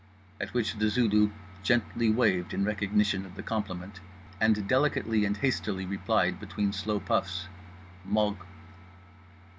at which The Zulu gently waved in recognition of the compliment and delicately and hastily replied, between slow puffs: "_Mog.